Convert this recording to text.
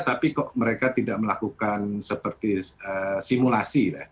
tapi kok mereka tidak melakukan seperti simulasi